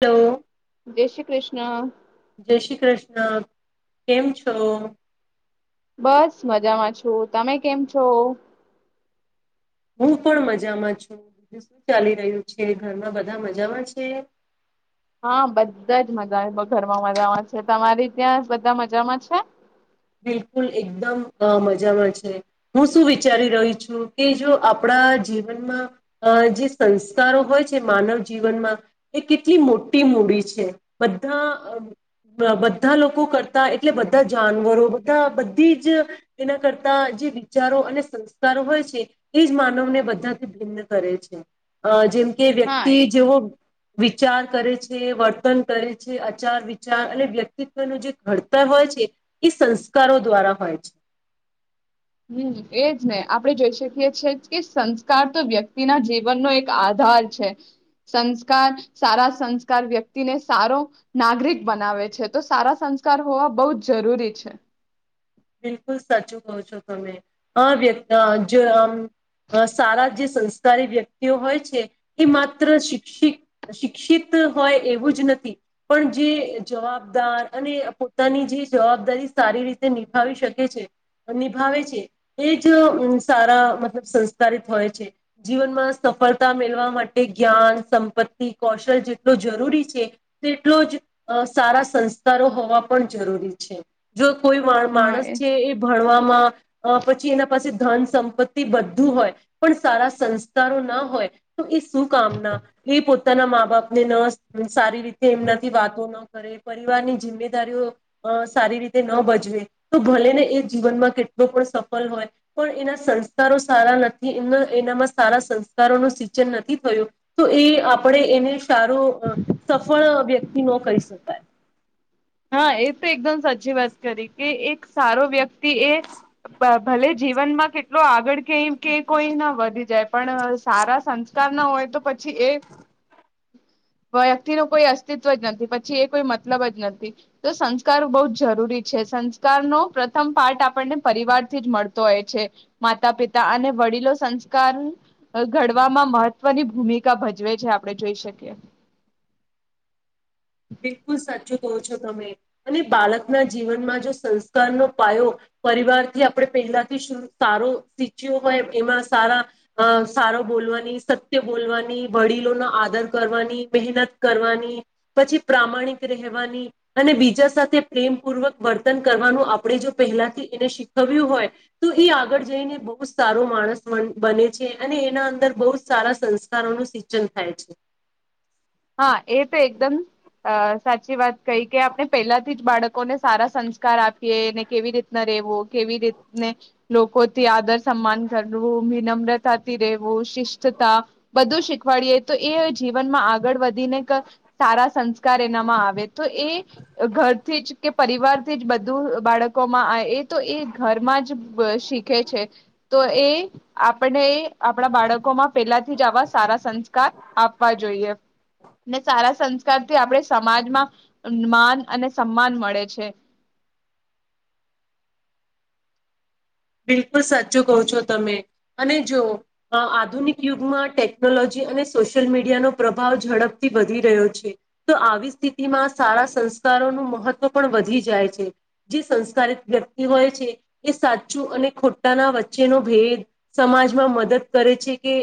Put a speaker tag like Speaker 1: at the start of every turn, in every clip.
Speaker 1: [unintelligible]
Speaker 2: જય શ્રી કૃષ્ણ
Speaker 1: જય શ્રી કૃષ્ણ ના કેમ છો
Speaker 2: બસ મજામાં છું, તમે કેમ છો.
Speaker 1: હું પણ મજામાં છું, [unintelligible] શું ચાલી રહ્યું છે, ઘરમાં બધા મજામાં છે.
Speaker 2: હા બધા જ મજા આવે ઘરમાં મજામાં છે, તમારી ત્યાં બધા મજામાં છે.
Speaker 1: બિલકુલ એકદમ મજામાં છે, હું શું વિચારી રહી છું, કે જો આપણા બધા બધી જ એના કરતા કે
Speaker 2: હા
Speaker 1: વ્યક્તિ
Speaker 2: એ
Speaker 1: જેવો વિચાર કરે છે, વર્તન કરે છે, આચાર વિચાર અને વ્યક્તિત્વનું જે ઘડતર હોય છે, એ સંસ કારો દ્વારા હોય છે.
Speaker 2: હમ એ જ નહી આપણે જોઈ શકીએી કે સંસ્કાર તો વ્યક્તિના જીવનનો એક આધાર છે, સંસ્કાર સારા સંસ્કાર વ્યક્તિને સારો નાગરિક બનાવે છે, તો સારા સંસ્કાર હોવા બહુ જ જરૂરી છે.
Speaker 1: બિલકુલ સાચું કહો છો તમે [unintelligible] આ સારા જે સંસ્કારી વ્યક્તિઓ હોય છે, એ માત્ર શિક્ષિત શિક્ષિત હોય એવું જ નથી પણ જે જવાબદાર અને પોતાની જે જવાબદારી સારી રીતે [unintelligible] શકે છે, નિભાવે છે, એ જ સારા મતલબ સંસ્કાર હોય છે, જીવનમાં સફળતા મેળવા માટે જ્ઞાન સંપત્તિ કૌશલ જેટલો જરૂરી છે, તેટલો જ સારા સંસ્કારો હોવા પણ જરૂરી છે, જો કોઈ માણસ માણસ છે એ ભણવા પછી એના પાસે ધન સંપત્તિ બધું હોય પણ સારા સંસ્કારો ના હોય તો એ શું કામના એ પોતાના મા બાપને ન સારી રીતે એમનાથી વાતો ન કરે પરિવારની જિમ્મેદારીઓ સારી રીતે ન ભજવે. તો ભલે ને એ જીવનમાં કેટલો પણ સફળ હોય પણ એના સંસ્કારો સારા નથી એ એનામાં સારા સંસ્કારોનું સિચન નથી થયું તો એ આપણે એને સારું સફળ વ્યક્તિ ન કહી શકાય.
Speaker 2: હા એ તો એકદમ સાચી વાત કરી કે એક સારો વ્યક્તિ એ ભલે જીવનમાં કેટલો આગળ [unintelligible] કઈ કે કોઈ ના વધી જાય. પણ સારા સંસ્કાર ના હોય તો પછી પછી એ વ્યક્તિ ન કોઈ અસ્તિત્વ જ નથી પછી એ કોઈ મતલબ જ નથી. તો સંસ્કાર બહુ જ જરૂરી છે, [unintelligible] પ્રથમ પારઠ આપણને પરિવારથી જ મળતો હોય છે, માતા પિતા અને વડીલો સંસ્કાર ઘડવામાં મહત્વની ભૂમિકા ભજવે છે, આપણે જોઈ શકીએ.
Speaker 1: બિલકુલ સાચું કહો છો તમે અને બાળકના જીવનમાં જો સંસ્કારનો પાયો પરિવારથી આપણે પહેલાથી શું સારો શીચ્યો હોય એમાં સારા સારો બોલવાની સત્ય બોલવાની વડીલોનો આદર કરવાની મહેનત કરવાની. પછી પ્રામાણિક રહેવાની અને બીજા સાથે પ્રેમ પૂર્વક વર્તન કરવાનું આપણે જો પહેલાથી એને શીખવ્યું હોય તો એ આગળ જઈને બહુ સારો માણસ બને છે, અને એના અંદર બહુ જ સારા સંસ્કારોનું સિંચન થાય છે.
Speaker 2: હા એ તો એકદમ અ સાચી વાત કઈ કે આપણે પહેલાથી જ બાળક ને સારા સંસ્કાર આપીએ એને કેવી રીતના રહેેવો. કેવી રીતને લોકોથી આદર સન્માન કરવું વિનમ્રતાથી રહેેવું શિસ્તતા બધું શીખવાડીએ તો એ જીવનમાં આગળ વધીને સારા સંસ્કાર એનામાં આવે તો એ ઘરથી જ કે પરિવારથી જ બધું બાળકોમાં આવે એ તો એ ઘરમાં જ શીખે છે, તો એ આપણે આપણા બાળકો માં પેલા થી જ આવા સારા સંસ્કાર આપવા જોઈએ. ને સારા સંસ્કાર થી આપણે સમાજમાં માન અને સન્માન મળે છે.
Speaker 1: બિલકુલ સાચો કહ છો તમે અને જો આધુનિક યુગમાં ટેકનોલોજી અને સોશિયલ મીડિયાનો પ્રભાવ ઝડપથી વધી રહ્યો છે, તો આવી સ્થિતિમાં સારા સંસ્કારોનું મહત્વ પણ વધી જાય છે, જે સંસ્કારિત વ્યક્તિ હોય છે, એ અને ખોટાના વચ્ચેનો ભેદ સમાજમાં મદદ કરે છે, કે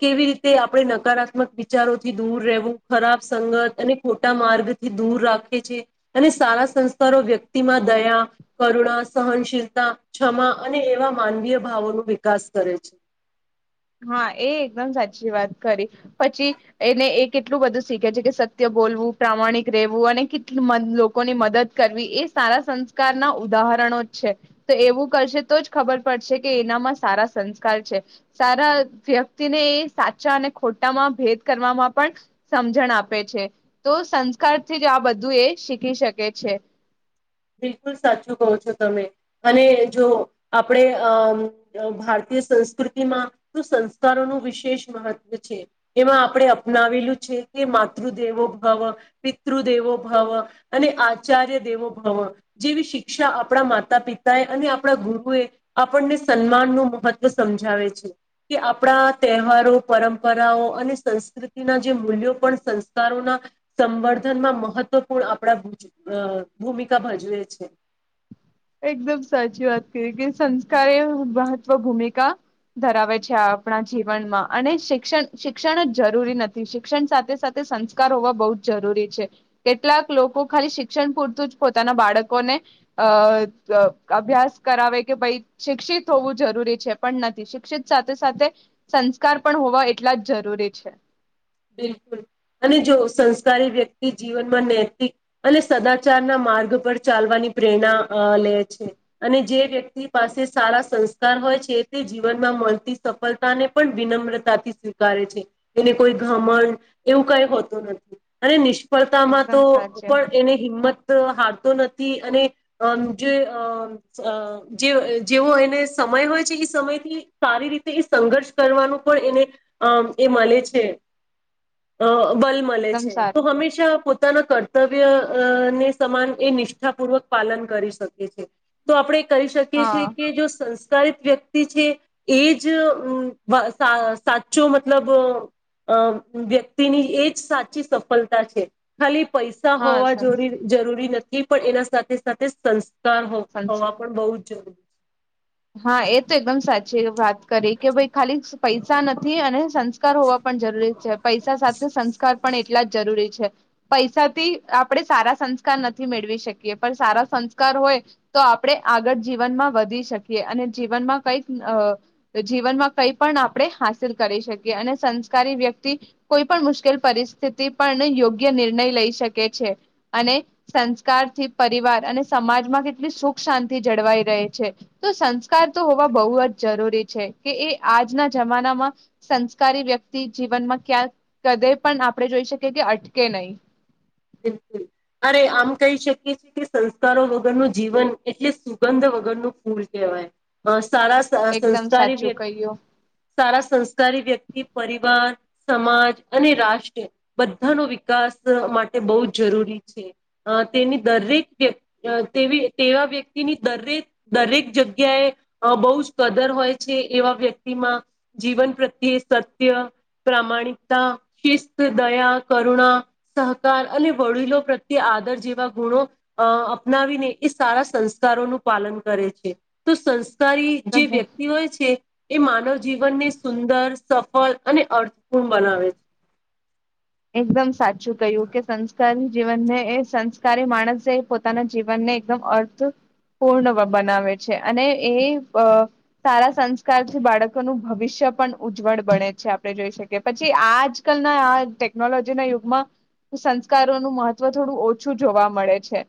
Speaker 1: કેવી રીતે આપણે નકારાત્મક વિચારોથી દૂર રહેવું ખરાબ સંગત અને ખોટા માર્ગ થી દૂર રાખે છે, અને સારા સંસ્કારો વ્યક્તિમાં દયા કરુણા સહનશીલતા. ક્ષમા અને એવા માનવીય ભાવો ન વિકાસ કરે છે.
Speaker 2: હા એ એકદમ સાચી વાત કરી પછી એને એ કેટલું બધું શીખે છે, કે સત્ય બોલવું પ્રામાણિક રહેેવું અને લોકોની મદદ કરવી એ સારા સંસ્કાર ના ઉદાહરણો જ છે, તો એવું કરશે તો જ ખબર પડશે કે એનામાં સારા સંસ્કાર છે. સારા વ્યક્તિને એ સાચા અને ખોટામાં ભેદ કરવામાં પણ સમજણ આપે છે, તો સંસ્કારથી જ આ બધું એ શીખી શકે છે.
Speaker 1: બિલકુલ સાચું કહો છો તમે અને જો આપણે અ ભારતીય સંસ્કૃતિમાં તો સંસ્કારોનું વિશેષ મહત્વ છે, એમાં આપણે અપનાવેલું છે, કે માતૃદેવો ભાવ પિતૃ દેવો ભાવ અને આચાર્ય દેવો જેવી શિક્ષા આપણા માતા પિતાએ અને આપણા ગુરુએ આપણને સન્માન નું મહત્વ સમજાવે છે, કે આપણા તહેવારો પરંપરાઓ અને સંસ્કૃતિના જે મૂલ્યો પણ સંસ્કારોના સંવર્ધનમાં મહત્વપૂર્ણ આપણા ભૂમિકા ભજવે છે
Speaker 2: એકદમ સાચી વાત કરી કે સંસ્કાર એ મહત્વ ભૂમિકા ધરાવે છે આપણા જીવનમાં અને શિક્ષણ શિક્ષણ જ જરૂરી નથી શિક્ષણ સાથે સાથે સંસ્કાર હોવા બહુ જ જરૂરી છે કેટલાક લોકો ખાલી શિક્ષણ પૂરતું જ પોતાના બાળકોને અ અભ્યાસ કરાવે કે ભાઈ શિક્ષિત હોવું જરૂરી છે પણ નથી શિક્ષિત સાથે સાથે સંસ્કાર પણ હોવા એટલા જ જરૂરી છે
Speaker 1: બિલકુલ અને જો સંસ્કારી વ્યક્તિ જીવનમાં નૈતિક અને સદાચાર ના માર્ગ પર ચાલવાની પ્રેરણા લે છે અને જે વ્યક્તિ પાસે સારા સંસ્કાર હોય છે તે જીવનમાં મળતી સફળતા ને પણ વિનમ્રતાથી સ્વીકારે છે એને કોઈ ઘમણ એવું કઈ હોતું નથી અને સ્ફળતામાં તો
Speaker 2: એકદમ સાચે
Speaker 1: પણ એને હિંમત હારતો નથી અને જે જે જેવો એને સમય હોય છે એ સમયથી સારી રીતે એ સંઘર્ષ કરવાનું પણ એને અમ એ મળે છે અ બલ મળે
Speaker 2: એકદમ
Speaker 1: છે તો
Speaker 2: સારું
Speaker 1: હંમેશા પો પોતાના કર્તવ્ય ને સમાન એ નિષ્ઠાપૂર્વક પાલન કરી શકે છે તો આપડણે કરી શકીએ
Speaker 2: હા
Speaker 1: છીએ કે સસ્તા સારી વ્યક્તિ છે એજ અ સાચો મતલબ અ વ્યક્તિની એજ સાચી સફળતા છે ખાલી પૈસા
Speaker 2: હા
Speaker 1: હોવા જો
Speaker 2: સંસ્
Speaker 1: જરૂરી નથી એ પણ એના સાથે સાથે સંસ્થા હો
Speaker 2: સંસ્
Speaker 1: હોવા પણ બહુ જરૂરી
Speaker 2: હા એ તો એકદમ સાચી વાત કરી કે ભાઈ ખાલી પૈસા નથી અને સંસ્કાર હોવા પણ જરૂરી છે પૈસા સાથે સંસ્કાર પણ એટલા જ જરૂરી છે પૈસાથી આપણે સારા સંસ્કાર નથી મેળવી શકીએ પણ સારા સંસ્કાર હોય તો આપણે આગણ જીવનમાં વધી શકીએ અને જીવનમાં કઈક જીવનમાં કંઈ પણ આપણે હાસિલ કરી શકીએ અને સંસ્કારી વ્યક્તિ કોઈ પણ મુશ્કેલ પરિસ્થિતિ પણ યોગ્ય નિર્ણય લઈ શકે છે અને સંસ્કારથી પરિવાર અને સમાજમાં કેટલી સુખ શાંતિ જળવાઈ રહે છે તો સંસ્કાર તો હોવા બહુ જ જરૂરી છે કે એ આજના જમાનામાં સંસ્કારી વ્યક્તિ જીવનમાં ક્યાંક કદે પણ આપણે જોઈ શકીએ કે અટકે નહી
Speaker 1: બિલકુલ અરે આમ કહી શકીએ છીએ સંસ્કારો વગરનું જીવન એટલે સુગંધ વગરનું ફૂલ કહેવાય બસ સારા સહ
Speaker 2: એકદમ
Speaker 1: સંસ્કારી
Speaker 2: સાચું
Speaker 1: વ્યક્તિ
Speaker 2: કહ્યું
Speaker 1: સારા સંસ્કારી વ્યક્તિ પરિવાર સમાજ અને રાષ્ટ્ર બધાનો વિકાસ માટે તે બહુ જ જરૂરી છે અ તેની દરેક વ્ય તેવી તેવા વ્યક્તિની દરેક દરેક જગ્યાએ અ બહુ જ કદર હોય છે એવા વ્યક્તિમાં જીવન પ્રત્યે સત્ય પ્રામાણિકતા શિસ્ત દયા કરુણા સહ કાર અને વડીલો પ્રત્યે આદર જેવા ગુણો અ અપનાવીને એ સારા સંસ્કારોનું પાલન કરે છે તો શસ સારી જે વ્યક્તિ હોય છે એ માનવ જીવનને સુંદર સફળ અને અર્થપૂર્ણ બનાવે છે
Speaker 2: એકદમ સાચી શું કહ્યું કે સંસ્કારની જીવનને એ સંસ્કારી માણસે પોતાના જીવનને એકદમ અર્થ પૂર્ણ બનાવે છે અને એ સારા સંસ્કારથી બાળકોનું ભવિષ્ય પણ ઉજ્જવળ બને છે આપણે જોઈ શકીએ પછી આજકલના આ ટેકનોલોજી ના યુગમાં સંસ્કારોનું મહત્વ થોડું ઓછું જોવા મળે છે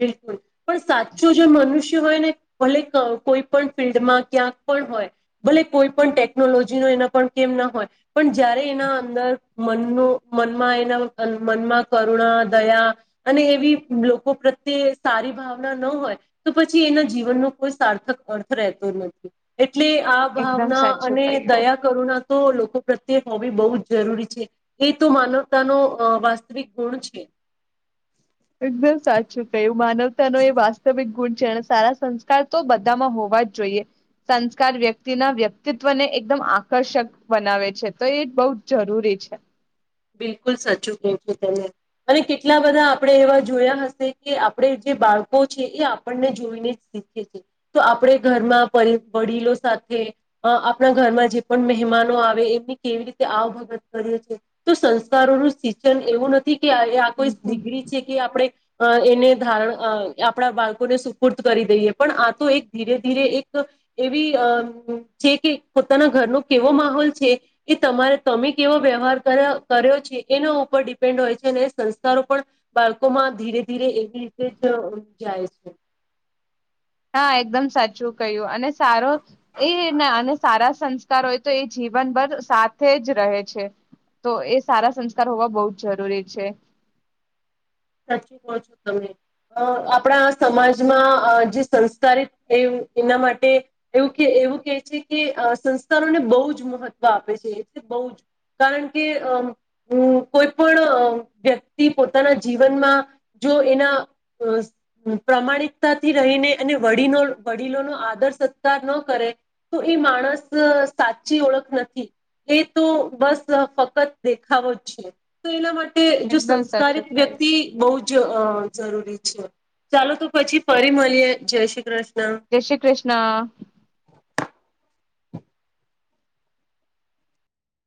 Speaker 1: બિલકુલ પણ સાચું જે મનુષ્ય હોય ને ભલે કોઈ પણ ફિલ્ડમાં ક્યાંક પણ હોય ભલે કોઈ પણ ટેકનોલોજીનો એના પણ કેમ ના હોય પણ જયારે એના અંદર મન મનમાં એના મનમાં કરુણા દયા અને એવી લોકો પ્રત્યે તે સારી ભાવના ન હોય તો પછી એના જીવનનો કોઈ સાર્થક અર્થ રહેતો જ નથી એટલે આ
Speaker 2: એકદમ
Speaker 1: ભાવના
Speaker 2: સાચું
Speaker 1: અને
Speaker 2: કહ્યું
Speaker 1: દયા કરુ ના તો લોકો પ્રત્યે હોબી બહુ જ જરૂરી છે એ તો માનવતાનો વાસ્તવિક ગુણ છે
Speaker 2: એકદમ સાચું કયુ માનવતા નો એ વાસ્તવિક ગુણ છે સારા સંસ્કાર તો બધામાં હોવા જ જોઈએ સંસ્કાર વ્યક્તિના વ્યક્તિત્વને એકદમ આકર્ષક બનાવે છે તો એ જ બહુ જ જરૂરી છે
Speaker 1: બિલકુલ સાચું કયુ છે તેને અને કેટલા બધા આપડે એવા જોયા હશે કે આપડે જે બાળકો છે એ આપણને જોઈને જ શીખે છે તો આપડે ઘરમાં પરી વડીલો સાથે અ આપણા ઘરમાં જે પણ મહેમાનો આવે એમની કેવી રીતે આવ ભગત કરીએ છીએ તો સંસ્કારોનું સિચન એવું નથી કે આ કોઈ દિગ્રી છે કે આપડે અ એને ધારણ અ આપણા બાળકોને સુપુર્દ કરી દઈએ પણ આ તો એક ધીરે ધીરે એક એવી અ છે કે પોતાના ઘરનો કેવો માહોલ છે એ તમારે તમે કેવા વ્યવહાર કર્ કર્યો છે એનો ઉપર ડિપેન્ડ હોય છે અને સંસ્થો પણ બાળકોમાં ધીરે ધીરે એવી રીતે જ જાય છે
Speaker 2: હા એકદમ સાચું કહ્યુ અને સારો એ ને સારા સંસ્ કાર હોય તો એ જીવનભર સાથે જ રહે છે તો એ સારા સંસ્કાર હોવા બહુ જ જરૂરી છે.
Speaker 1: સાચું કો છો તમે અ આપણા સમાજમાં અ જે સંસ્કારી છે એના માટે એવું કે એવું કેહે છે કે અ સંસ્કારોને બહુ જ મહત્વ આપે છે એટલે બહુ જ કારણ કે અ અ કોઈ પણ વ્યક્તિ પોતાના જીવનમાં જો એના પ્રમાણિકતાથી રહીને એ વડીનો વડીલોનો આદર સત્કાર ન કરે તો એ માણસ સાચી ઓળખ નથી એ તો બસ ફક્ત દેખાવો જ છે તો એના માટે જો
Speaker 2: એકદમ
Speaker 1: સંસ્કારિત
Speaker 2: સાચું કહ્યું
Speaker 1: વ્યક્તિ બહુ અ જરૂરી છે ચાલો તો પછી ફરી મલીએ જય શ્રી ક્રષ્ણ
Speaker 2: જય શ્રી કૃષ્ણ